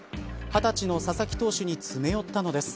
２０歳の佐々木投手に詰め寄ったのです。